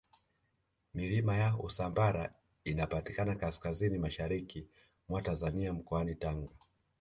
milima ya usambara inapatikana kaskazini mashariki mwa tanzania mkoani tanga